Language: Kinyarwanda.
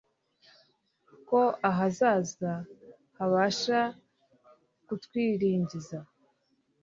ko ahazaza habasha kutwiringiza